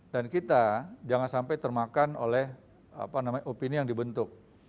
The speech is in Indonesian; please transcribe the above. dan kita jangan sampai termakan oleh opini yang dibentuk